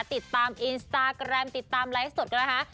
ติดตามอินสตาแกรมติดตามไลฟ์สดกันนะคะ